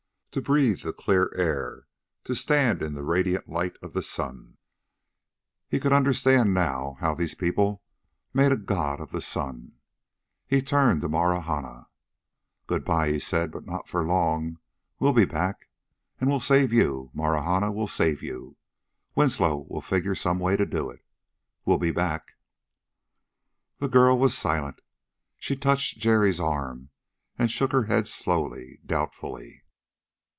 To breathe the clear air; to stand in the radiant light of the sun he could understand now how these people made a god of the sun. He turned to Marahna. "Good by," he said, "but not for long. We'll be back. And we'll save you, Marahna, we'll save you. Winslow will figure some way to do it.... We'll be back...." The girl was silent. She touched Jerry's arm, and shook her head slowly, doubtfully.